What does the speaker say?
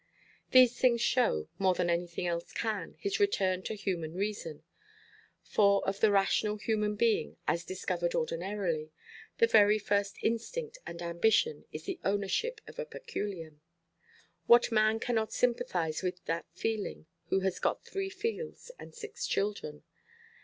These things show, more than anything else can, his return to human reason; for of the rational human being—as discovered ordinarily—the very first instinct and ambition is the ownership of a peculium. What man cannot sympathize with that feeling who has got three fields and six children?